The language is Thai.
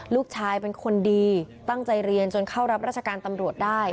ลูกชายเป็นคนดีตั้งใจเรียนจนเข้ารับราชการตำรวจได้